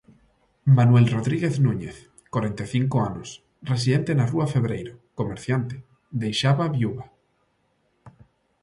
Manuel Rodríguez Núñez, corenta e cinco anos, residente na rúa Febreiro, comerciante, deixaba viúva.